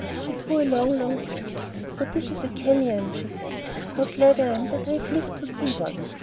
She drew a long, long breath. "So this is a canyon," she said. "How glad I am that I have lived to see one."